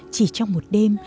chỉ trong một đêm